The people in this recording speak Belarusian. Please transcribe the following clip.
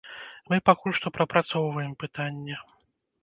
Мы пакуль што прапрацоўваем пытанне.